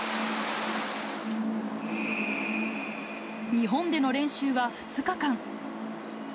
日本での練習は２日間。